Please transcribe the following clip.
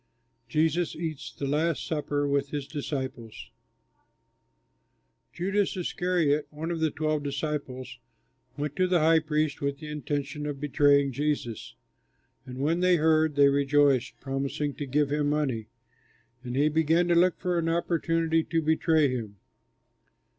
JESUS EATS THE LAST SUPPER WITH HIS DISCIPLES Judas Iscariot, one of the twelve disciples, went to the high priests with the intention of betraying Jesus. And when they heard, they rejoiced, promising to give him money; and he began to look for an opportunity to betray him.